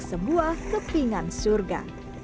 sebuah kepingan surga